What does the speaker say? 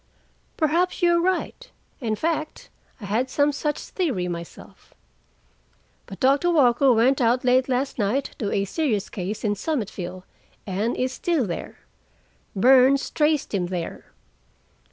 "Perhaps you are right. In fact, I had some such theory myself. But Doctor Walker went out late last night to a serious case in Summitville, and is still there. Burns traced him there.